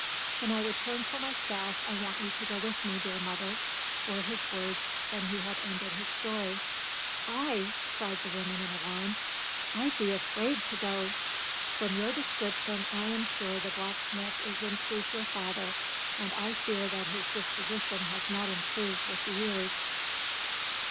"When I return for my staff I want you to go with me, dear mother," were his words when he had ended his story. "I!" cried the woman in alarm. "I'd be afraid to go! From your description I am sure the blacksmith is in truth your father, and I fear that his disposition has not improved with the years."